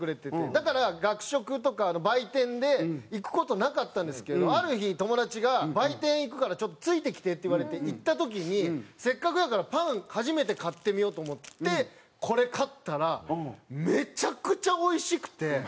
だから学食とか売店で行く事なかったんですけどある日友達が「売店行くからちょっとついてきて」って言われて行った時にせっかくだからパン初めて買ってみようと思ってこれ買ったらめちゃくちゃおいしくて。